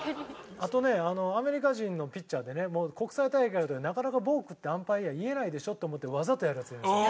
あとねアメリカ人のピッチャーでね国際大会でなかなかボークってアンパイアは言えないでしょって思ってわざとやるヤツがいるんですよ。